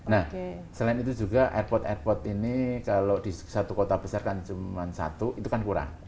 nah selain itu juga airport airport ini kalau di satu kota besar kan cuma satu itu kan kurang